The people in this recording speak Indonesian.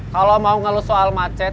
kalau mau ngeluh soal macet